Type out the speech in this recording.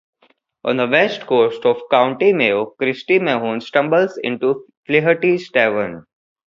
On the west coast of County Mayo Christy Mahon stumbles into Flaherty's tavern.